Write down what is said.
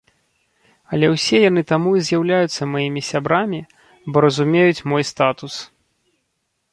Але ўсе яны таму і з'яўляюцца маімі сябрамі, бо разумеюць мой статус.